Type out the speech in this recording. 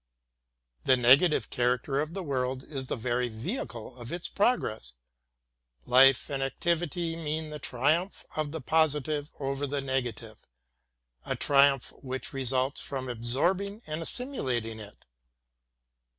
The negative character of the world is the very vehicle of its progress. Life and activity mean the triumph of the positive over the negative, a triumph which results from absorbing and assimilating it.